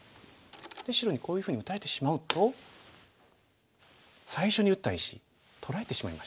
で白にこういうふうに打たれてしまうと最初に打った石取られてしまいましたね。